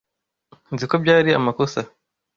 Nzi ko byari amakosa.